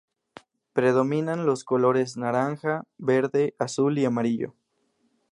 Predominan los colores naranja, verde, azul y amarillo.